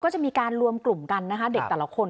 ก็จะมีการรวมกลุ่มกันนะคะเด็กแต่ละคน